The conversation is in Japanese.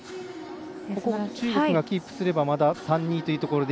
中国がキープすれば３−２というところで